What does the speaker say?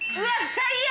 最悪！